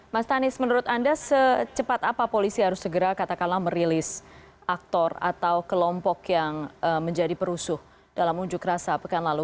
mas tanis menurut anda secepat apa polisi harus segera katakanlah merilis aktor atau kelompok yang menjadi perusuh dalam unjuk rasa pekan lalu